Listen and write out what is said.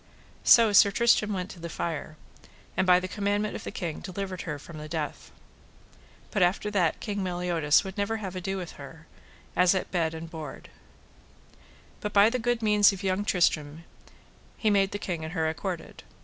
So Sir Tristram went to the fire, and by the commandment of the king delivered her from the death. But after that King Meliodas would never have ado with her, as at bed and board. But by the good means of young Tristram he made the king and her accorded.